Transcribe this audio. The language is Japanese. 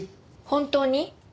本当に？